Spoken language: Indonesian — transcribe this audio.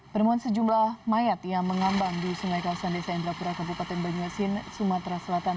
penemuan sejumlah mayat yang mengambang di sungai kawasan desa indrapura kabupaten banyuasin sumatera selatan